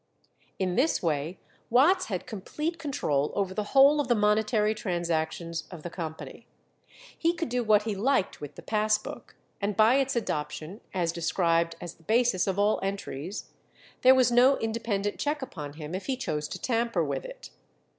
In this way Watts had complete control over the whole of the monetary transactions of the company. He could do what he liked with the pass book, and by its adoption, as described as the basis of all entries, there was no independent check upon him if he chose to tamper with it.